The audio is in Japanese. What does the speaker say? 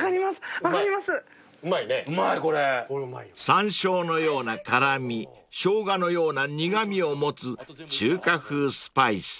［さんしょうのような辛味ショウガのような苦味を持つ中華風スパイス］